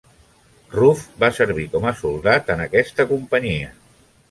Rouf va servir com a soldat en aquesta companyia.